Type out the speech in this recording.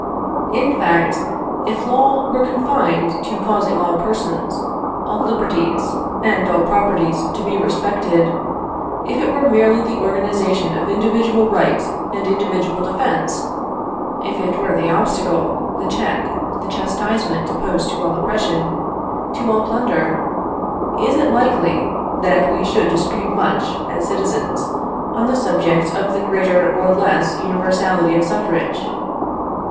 In fact, if law were confined to causing all persons, all liberties, and all properties to be respected if it were merely the organisation of individual right and individual defence if it were the obstacle, the check, the chastisement opposed to all oppression, to all plunder is it likely that we should dispute much, as citizens, on the subject of the greater or less universality of suffrage?